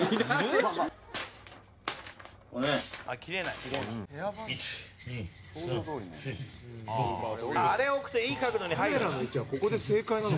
山崎：あれ、置くといい角度に入るんだ。